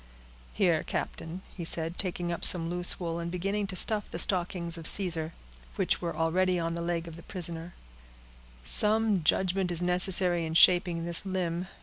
"Here, captain," he said, taking up some loose wool, and beginning to stuff the stockings of Caesar, which were already on the leg of the prisoner; "some judgment is necessary in shaping this limb.